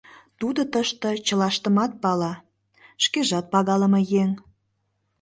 — Тудо тыште чылаштым пала, шкежат пагалыме еҥ.